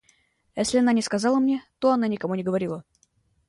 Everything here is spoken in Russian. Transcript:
А если она не сказала мне, то она никому не говорила.